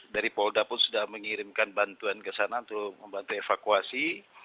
dari polda pun sudah mengirimkan bantuan ke sana untuk membantu evakuasi